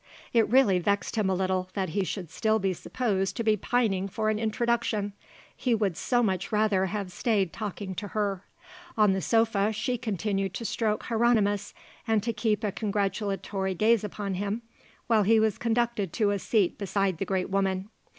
It really vexed him a little that he should still be supposed to be pining for an introduction; he would so much rather have stayed talking to her. On the sofa she continued to stroke Hieronimus and to keep a congratulatory gaze upon him while he was conducted to a seat beside the great woman.